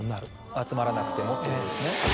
集まらなくてもってことですね。